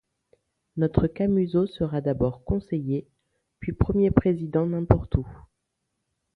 Notre Camusot sera d’abord conseiller, puis premier président n’importe où...